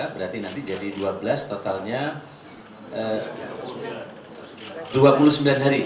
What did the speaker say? berarti nanti jadi dua belas totalnya dua puluh sembilan hari